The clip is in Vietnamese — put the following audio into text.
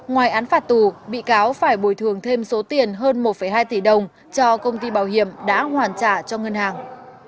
ngoài án phạt tù bị cáo phải bồi thường thêm số tiền hơn một hai tỷ đồng cho công ty bảo hiểm đã hoàn trả cho ngân hàng